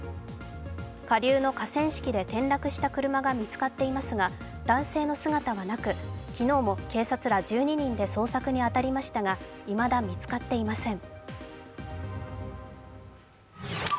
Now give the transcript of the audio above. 下流の河川敷で転落した車が見つかっていますが男性の姿はなく、昨日も警察ら１２人で捜索に当たりましたがいまだ見つかっていません。